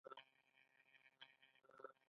د مرکه د پښتو څخه مخکې کوم کارونه شوي وي.